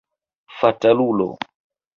Fatalulo!